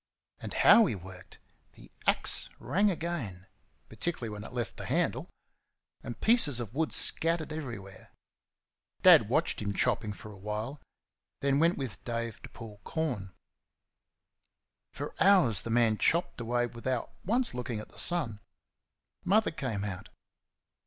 And how he worked! The axe rang again particularly when it left the handle and pieces of wood scattered everywhere. Dad watched him chopping for a while, then went with Dave to pull corn. For hours the man chopped away without once looking at the sun. Mother came out.